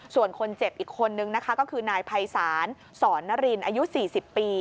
ส่วนคนเจ็บอีกคนนึงนะคะก็คือนายภัยศาลสอนนรินอายุ๔๐ปี